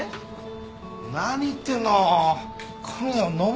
何言ってんの。